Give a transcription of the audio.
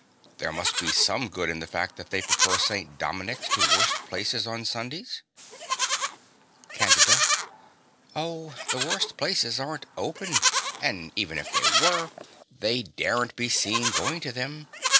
There must be some good in the fact that they prefer St. Dominic's to worse places on Sundays. CANDIDA. Oh, the worst places aren't open; and even if they were, they daren't be seen going to them.